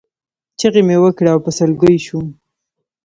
چغې مې وکړې او په سلګیو شوم.